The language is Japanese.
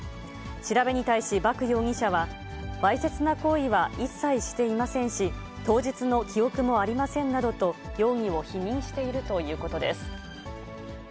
調べに対し、麦容疑者は、わいせつな行為は一切していませんし、当日の記憶もありませんなどと、容疑を否認しているということです。